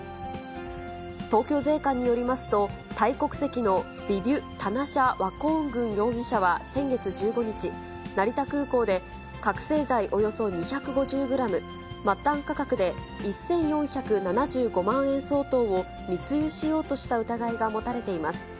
東京税関によりますと、タイ国籍のヴィビュ・タナシャワコーングン容疑者は先月１５日、覚醒剤およそ２５０グラム、末端価格で１４７５万円相当を密輸しようとした疑いが持たれています。